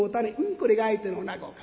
これが相手のおなごか。